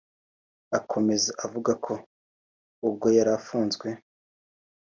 Akomeza avuga ko ubwo yari afunzwe